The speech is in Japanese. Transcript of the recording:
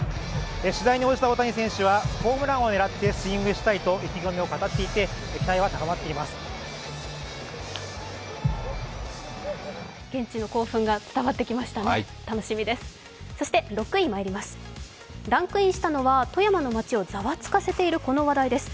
取材に応じた大谷選手はホームランを狙ってスイングしたいと意気込みを語っていて、期待は高まっています。